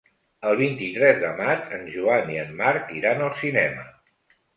El vint-i-tres de maig en Joan i en Marc iran al cinema.